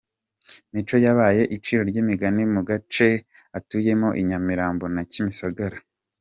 Mico yabaye iciro ry’imigani mu gace atuyemo i Nyamirambo na Kimisagara.